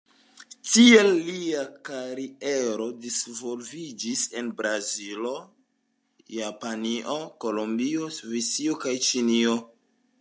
Tiel lia kariero disvolviĝis en Brazilo, Japanio, Kolombio, Svisio kaj Ĉeĥio.